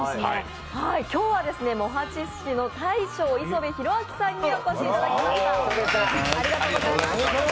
今日は茂八寿司の大将、礒邊博昭さんにお越しいただきました。